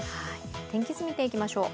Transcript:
天気図、見ていきましょう。